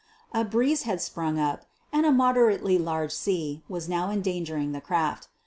A breeze had sprung up and a moderately large sea was now endangering the craft.